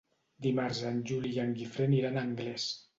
Dimarts en Juli i en Guifré aniran a Anglès.